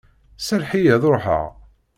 Serreḥ-iyi ad ruḥeɣ!